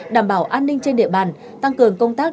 đảm bảo an ninh trên địa bàn tăng cường công tác